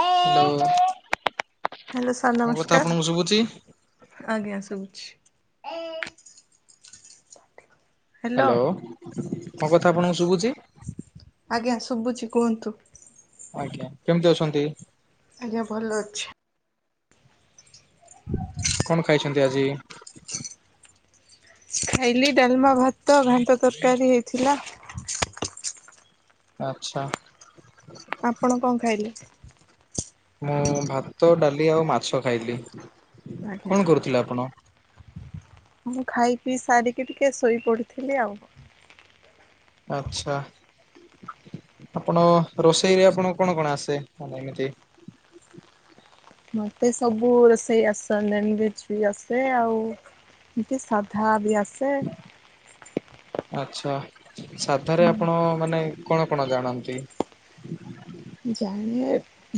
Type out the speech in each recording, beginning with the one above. ଏ hello hello sir ମୋ କଥା ନମସ୍କାର ଆପଣଙ୍କୁ ଶୁବୁଚି। ଆଜ୍ଞା ସୁବୁଛି। [unintelligible] ହ୍ୟାଲୋ। ହାଲୋ ମୋ କଥା ଆପଣଙ୍କୁ ସୁବୁଚି। ଆଜ୍ଞା ଶୁଭୁଚି କୁହନ୍ତୁ। ଆଜ୍ଞା କେମିତି ଅଛନ୍ତି? ଆଜ୍ଞା ଭଲ ଅଛି। [unintelligible] କଣ ଖାଇଛନ୍ତି ଆଜି? ଖାଲି ଡାଲମା ଭାତ ଘାଣ୍ଟ ତରକାରୀ ହେଇଥିଲା। ଆଚ୍ଛା। ଆପଣ କଣ ଖାଇଲେ? ମୁଁ ଭାତ ଡାଲି ଆଉ ମାଛ ଖାଇଲି ଆଜ୍ଞା କଣ କରୁଥିଲେ ଆପଣ? ମୁଁ ଖାଇ ପିଇ ସାରିକି ଟିକେ ଶୋଇ ପଡିଥିଲି ଆଉ ଆଚ୍ଛା। ଆପଣ ରୋଷେଇରେ ଆପଣଙ୍କୁ କଣ କଣ ଆସେ ମାନେ ଏମିତି ମତେ ସବୁ ରୋଷେଇ ଆସିସାରିଲାଣି ଭେଜବି ଆସେ ଆଉ ମତେ ସାଧାବି ଆସେ। ଆଚ୍ଛା ସାଧାରେ ଆପଣ ମାନେ କଣ କଣ ଜାଣନ୍ତି? ଜାଣେ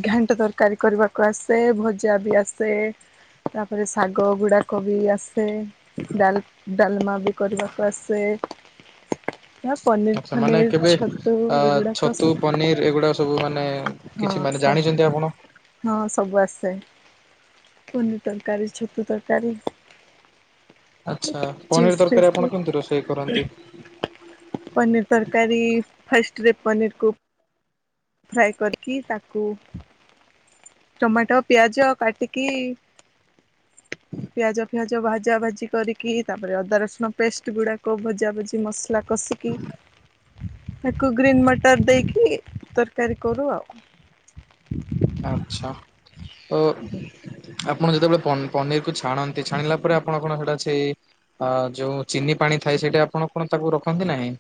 ଘାଣ୍ଟ ତରକାରୀ କରିବାକୁ ଆସେ ଭଜାବି ଆସେ। ତାପରେ ଶାଗ ଗୁଡାକବି ଆସେ। ଡାଲ ଡାଲମାବି କରିବାକୁ ଆସେ। ଏହା ପନିର ଆଚ୍ଛା ମାନେ ଫନିର କେବେ ଛତୁ ଅ ଏଗୁଡାକ ଛତୁ ସବୁ ପନିର ଏଗୁଡାକ ସ ସବୁ ମାନେ ହଁ କିଛି ସ ମାନେ ଜାଣିଚନ୍ତି ଆପଣ? ହଁ ସବୁ ଆସେ ପନିର ତରକାରୀ ଛୁତୁ ତରକାରୀ। ଆଚ୍ଛା ଚିପ୍ସ ପନିର ତରକାରୀ ଫିପ୍ସ ଆପଣ କେମିତି ରୋଷେଇ କରନ୍ତି? ପନିର ତରକାରୀ ଫାଷ୍ଟରେ ପନିରକୁ ଫ୍ରାଏ କରିକି ତାକୁ ଟମାଟ ପିଆଜ କାଟିକି ପିଆଜ ଫିଆଜ ଭଜା ଭାଜି କରିକି ତାପରେ ଅଦା ରସୁଣ ପେଷ୍ଟ ଗୁଡାକ ଭଜା ଭଜି ମସ ଲା କଷିକି ତାକୁ ଗ୍ରୀନ ମଟର ଦେଇକି ତରକାରୀ କରୁ ଆଉ ଆଚ୍ଛା ଓ ଆପ ଆପଣ ଯେତେବେଳେ ପନି ପନିରକୁ ଛାଣନ୍ତି ଛାଣିଲା ପରେ ଆପଣ କଣ ହେଟା ଛେଇ ଆ ଯୋଉ ଚିନି ପାଣି ଥାଏ ସେଇଟା ଆପଣ କଣ ତାକୁ ରଖନ୍ତି ନାହିଁ?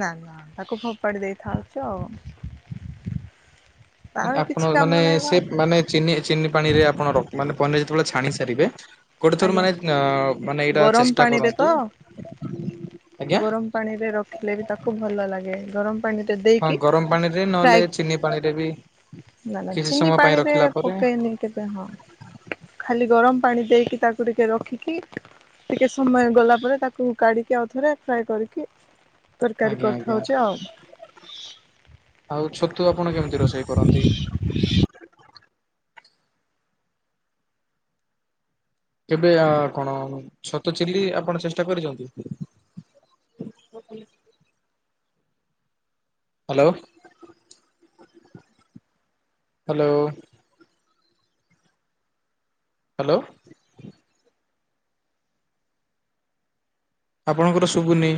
ନାଁ ନାଁ ତାକୁ ଫୋପାଡି ଦେଇଥାଆନ୍ତୁ ଆଉ ତାର କିଛି ଆପଣ ମାନେ କାମ ନାହିଁ ବା ସେ ମାନେ ଚିନି ଚିନି ପାଣିରେ ଆପଣ ରଖୁ ମାନେ ପନିର ଯେତେବେଳେ ଛାଣି ସାରିବେ ଗୋଟେଥର ଆଜ୍ଞା ମାନେ ଅଁ ମାନେ ଏଇଟା ଗରମ ଚେଷ୍ଟା ପାଣିରେ କରନ୍ତୁ ତ ଆଜ୍ଞା। ଗରମ ପାଣିରେ ରଖିଲେବି ତାକୁ ଭଲ ଲାଗେ ଗରମ ପାଣିରେ ହଁ ଦେଇକି ଗରମ ପାଣିରେ ନହେଲେ ଚିନି ପାଣିରେବି ନାଁ ନାଁ ଚିନି ପାଣିରେ ପକେଇନି କେବେ ହଁ। ଖାଲି ଗରମ ପାଣି ଦେଇକି ତାକୁ ଟିକେ ରଖିକି ଟିକେ ସମୟ ଗଲା ପରେ ତାକୁ କାଢ଼ିକି ଆଉ ଥରେ ଫ୍ରାଏ କରିକି ତରକାରୀ ଆଜ୍ଞା ଆଜ୍ଞା କରିଥାଉଛି ଆଉ। ଆଉ ଛତୁ ଆପଣ କେମିତି ରୋଷେଇ କରନ୍ତି? କେବେ ଆ କଣ ଛତ ଚିଲୀ ଆପଣ ଚେଷ୍ଟା କରିଛନ୍ତି? Hello [inaudible] hello. ହାଲୋ ଆପଣଙ୍କର ସବୁନି।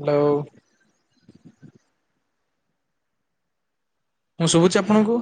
ହାଲୋ। ମୁଁ ଶୁଭୁଛି ଆପଣଙ୍କୁ?